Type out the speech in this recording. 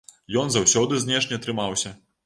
Ён заўсёды знешне трымаўся.